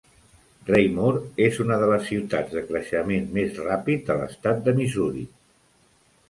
Raymore és una de les ciutats de creixement més ràpid de l'estat de Missouri.